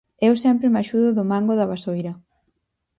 Eu sempre me axudo do mango da vasoira.